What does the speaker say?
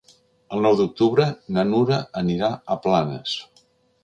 El nou d'octubre na Nura anirà a Planes.